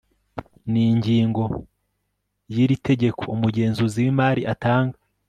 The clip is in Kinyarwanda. n ingingoy iri tegeko umugenzuzi w imari atanga